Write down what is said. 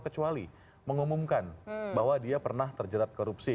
kecuali mengumumkan bahwa dia pernah terjerat korupsi